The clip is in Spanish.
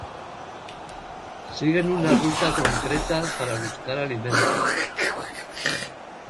Siguen una ruta concreta para buscar alimento.